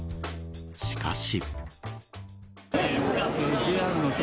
しかし。